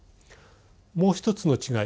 もう一つの違い